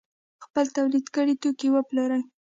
خپل تولید کړي توکي وپلوري.